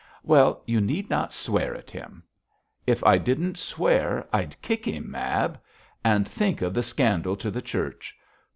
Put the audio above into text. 'Well, you need not swear at him.' 'If I didn't swear I'd kick him, Mab; and think of the scandal to the Church.